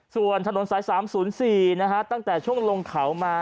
ส่วนถนนสาย๓๐๔ตั้งแต่ช่วงลงเขามา